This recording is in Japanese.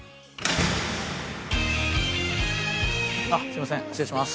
すみません失礼します。